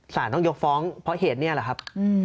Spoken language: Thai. สารต้องยกฟ้องเพราะเหตุนี้แหละครับ